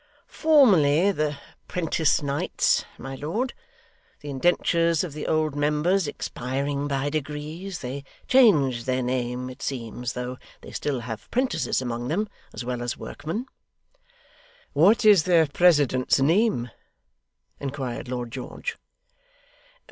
'Formerly the 'Prentice Knights, my lord. The indentures of the old members expiring by degrees, they changed their name, it seems, though they still have 'prentices among them, as well as workmen.' 'What is their president's name?' inquired Lord George.